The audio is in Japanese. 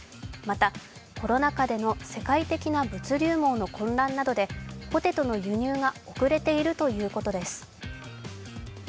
また、コロナ禍での世界的な物流網の混乱などでポテトの輸入が遅れているということです。